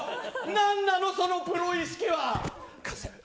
何なの、そのプロ意識は。